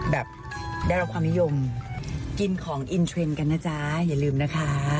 แบบได้รับความนิยมกินของอินเทรนด์กันนะจ๊ะอย่าลืมนะคะ